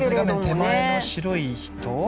手前の白い人。